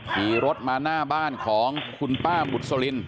ขี่รถมาหน้าบ้านของคุณป้าบุษลิน